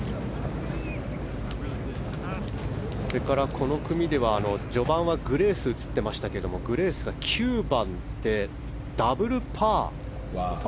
この組では、序盤はグレースが映っていましたがグレースが９番でダブルパー。